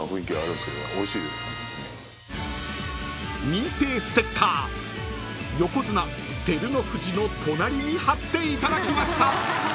［認定ステッカー横綱照ノ富士の隣に貼っていただきました］